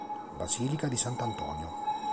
Basilica di Sant'Antonio